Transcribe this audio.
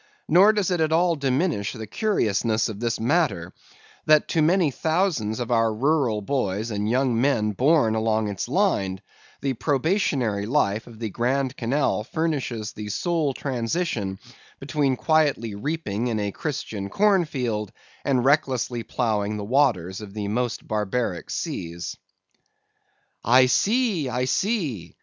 Nor does it at all diminish the curiousness of this matter, that to many thousands of our rural boys and young men born along its line, the probationary life of the Grand Canal furnishes the sole transition between quietly reaping in a Christian corn field, and recklessly ploughing the waters of the most barbaric seas. "'I see! I see!